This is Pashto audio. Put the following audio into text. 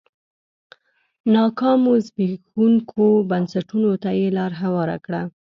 ناکامو زبېښونکو بنسټونو ته یې لار هواره کړه.